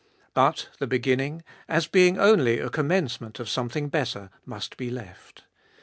But the beginning, as being only a commencement of something better, must be left.